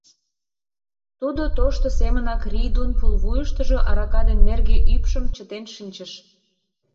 Тудо тошто семынак Рийдун пулвуйыштыжо арака ден нерге ӱпшым чытен шинчыш.